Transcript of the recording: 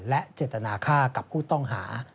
และเจตนาค่ากับผู้ต้องหา